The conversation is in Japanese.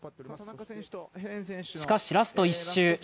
しかし、ラスト１周。